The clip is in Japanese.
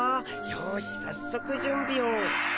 よしさっそくじゅんびを。